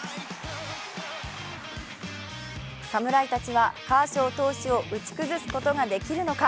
侍たちはカーショウ投手を打ち崩すことができるのか。